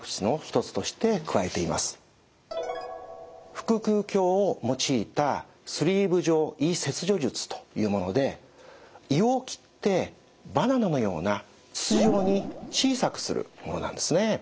腹腔鏡を用いたスリーブ状胃切除術というもので胃を切ってバナナのような筒状に小さくするものなんですね。